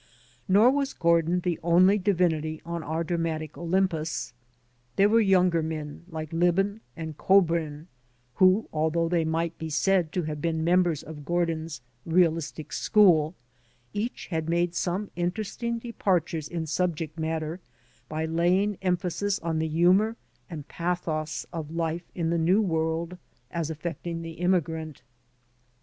Nor was Gordin the only divinity on our dramatic Olympus. There were younger men like Libin and Kobrin, who, while they might be said to have been members of Gordin's realistic school, had made some interesting departures in subject matter by laying emphasis on the humor and pathos of life in the New World as affecting the immigrant.